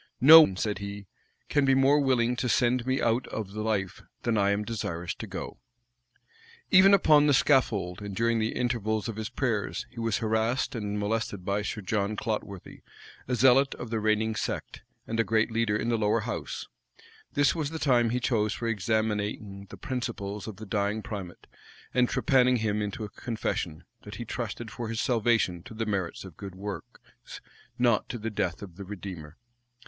"No one," said he, "can be more willing to send me out of life, than I am desirous to go," Even upon the scaffold, and during the intervals of his prayers, he was harassed and molested by Sir John Clotworthy, a zealot of the reigning sect, and a great leader in the lower house: this was the time he chose for examining the principles of the dying primate, and trepanning him into a confession, that he trusted for his salvation to the merits of good works, not to the death of the Redeemer.